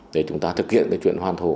để chúng ta thực hiện cái chuyện hoàn thổ